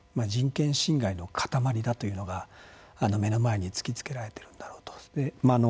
人権侵害の塊だというのが目の前に突きつけられてるんだろうと。